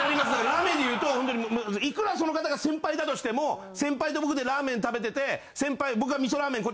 ラーメンでいうといくらその方が先輩だとしても先輩と僕でラーメン食べてて僕が味噌ラーメン